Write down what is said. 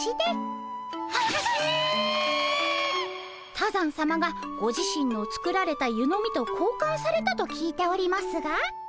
多山さまがご自身の作られた湯飲みとこうかんされたと聞いておりますが。